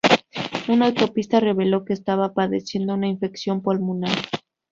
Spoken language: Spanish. Una autopsia reveló que estaba padeciendo una infección pulmonar.